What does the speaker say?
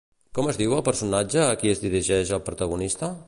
Com es diu el personatge a qui es dirigeix el protagonista?